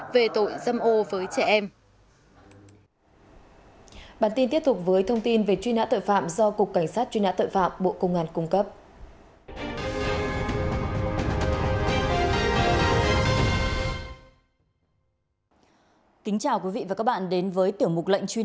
về tội dâm ô với trẻ em